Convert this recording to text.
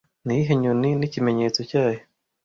Niyihe nyoni nikimenyetso cyayo